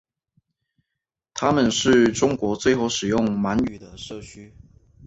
他们是中国最后使用满语的社区。